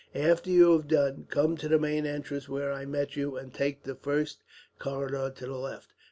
"After you have done, come to the main entrance where I met you and take the first corridor to the left.